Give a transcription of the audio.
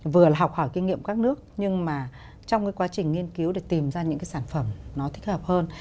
vừa là học hỏi kinh nghiệm các nước nhưng mà trong cái quá trình nghiên cứu để tìm ra những cái sản phẩm nó thích hợp hơn